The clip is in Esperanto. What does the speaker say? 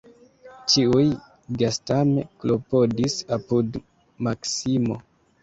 Ĉiuj gastame klopodis apud Maksimo.